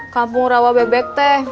kampung rawa bebek teh